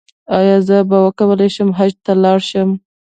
ایا زه به وکولی شم حج ته لاړ شم؟